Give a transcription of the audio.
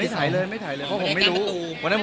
มันมีไกลมากครับ